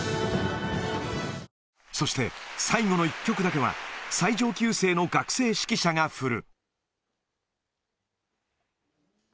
そして、最後の一曲だけは、最上級生の学生指揮者が振る。